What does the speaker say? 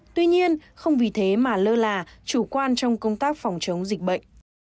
tuy nhiên không vì thế mà lơ là chủ quan trong công tác phòng chống dịch bệnh